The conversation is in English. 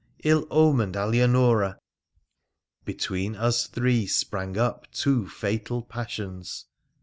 Ill omened Alianora ! Be tween us three sprang up two fatal passions.